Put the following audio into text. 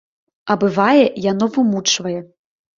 А бывае, яно вымучвае.